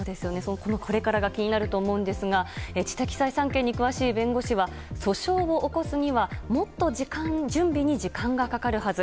これからが気になると思いますが知的財産権に詳しい弁護士は訴訟を起こすにはもっと準備に時間がかかるはず。